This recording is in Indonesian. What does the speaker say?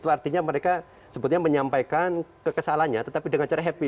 itu artinya mereka sebetulnya menyampaikan kekesalannya tetapi dengan cara happy